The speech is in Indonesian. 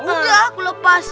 udah aku lepas